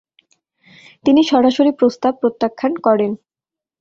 তিনি সরাসরি প্রস্তাব প্রত্যাখ্যান করেন।